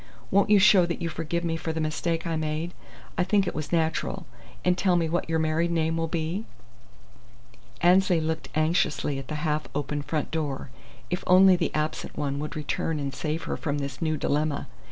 Won't you show that you forgive me for the mistake I made I think it was natural and tell me what your married name will be?" Annesley looked anxiously at the half open front door. If only the absent one would return and save her from this new dilemma!